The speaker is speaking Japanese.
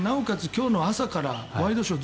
今日の朝からワイドショー